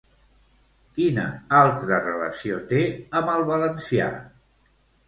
Quina altra relació té amb el valencià?